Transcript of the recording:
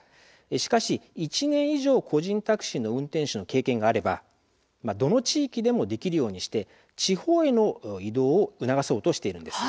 しかし１年以上、個人タクシーの運転手の経験があればどの地域でもできるようにして地方への移動を促そうとしています。